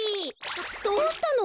どうしたの？